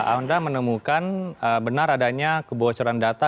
anda menemukan benar adanya kebocoran data